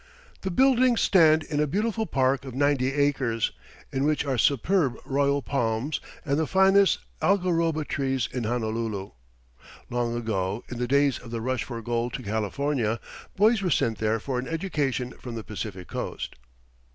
The buildings stand in a beautiful park of ninety acres, in which are superb royal palms and the finest algaroba trees in Honolulu. Long ago, in the days of the rush for gold to California, boys were sent there for an education from the Pacific Coast.